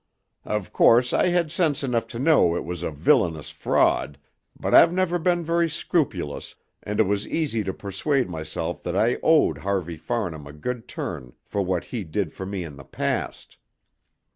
"Of course, I had sense enough to know it was a villainous fraud, but I've never been very scrupulous, and it was easy to persuade myself that I owed Harvey Farnham a good turn for what he did for me in the past.